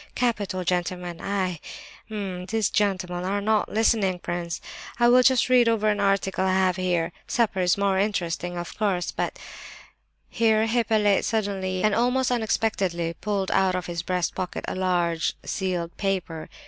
Capital, gentlemen! I—hem! these gentlemen are not listening. Prince, I will just read over an article I have here. Supper is more interesting, of course, but—" Here Hippolyte suddenly, and most unexpectedly, pulled out of his breast pocket a large sealed paper.